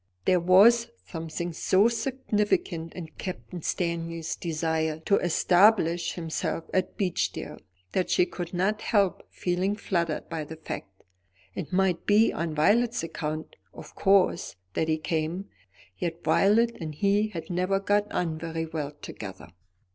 There was something so significant in Captain Winstanley's desire to establish himself at Beechdale, that she could not help feeling fluttered by the fact. It might be on Violet's account, of course, that he came; yet Violet and he had never got on very well together.